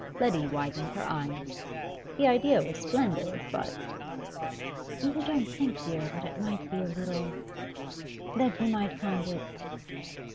Letty widened her eyes. The idea was splendid, but 'You don't think, dear, that it might be a little that you might find it